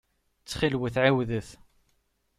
Ttxil-wet ɛiwdet.